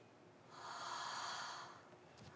はあ。